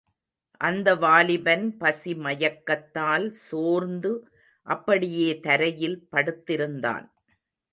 அந்த வாலிபன் பசி மயக்கத்தால் சோர்ந்து அப்படியே தரையில் படுத்திருந்தான்.